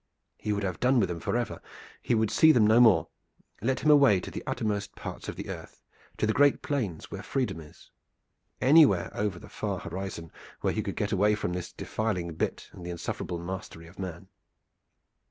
He would have done with them forever; he would see them no more. Let him away to the uttermost parts of the earth, to the great plains where freedom is. Anywhere over the far horizon where he could get away from the defiling bit and the insufferable mastery of man.